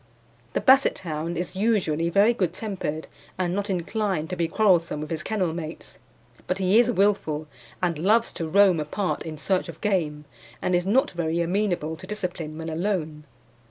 The Basset hound is usually very good tempered and not inclined to be quarrelsome with his kennel mates; but he is wilful, and loves to roam apart in search of game, and is not very amenable to discipline when alone.